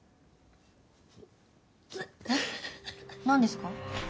何ですか？